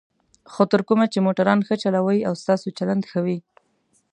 خو تر کومه چې موټران ښه چلوئ او ستاسو چلند ښه وي.